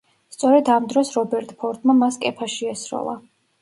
სწორედ ამ დროს რობერტ ფორდმა მას კეფაში ესროლა.